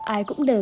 ai cũng dạy bà ấy